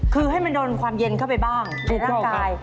คือให้มันโดนความเย็นเข้าไปบ้างในร่างกาย